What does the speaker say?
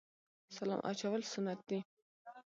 سلام اچول سنت دي